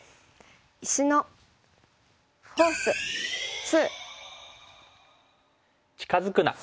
「石のフォース２」。